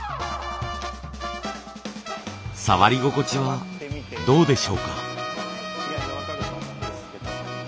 触り心地はどうでしょうか？